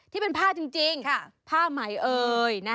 ที่เป็นผ้าจริงผ้าไหมเอ่ย